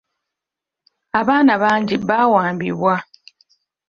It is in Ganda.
Abaana bangi baawambibwa.